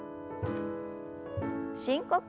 深呼吸。